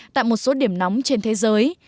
tại một số điểm nóng trên thế giới